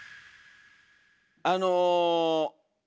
あの。